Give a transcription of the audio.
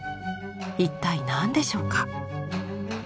一体何でしょうか。